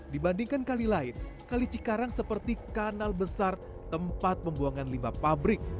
dibandingkan kali lain kali cikarang seperti kanal besar tempat pembuangan limba pabrik